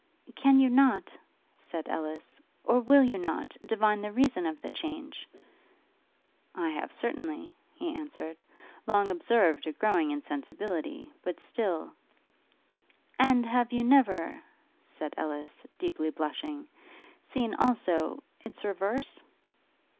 'Can you not,' said Ellis, 'or will you not, divine the reason of the change?' 'I have certainly,' he answered, 'long observed a growing insensibility; but still ' 'And have you never,' said Ellis, deeply blushing, 'seen, also, its reverse?'